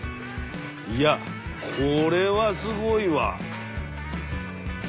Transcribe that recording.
いやこれはすごいわ。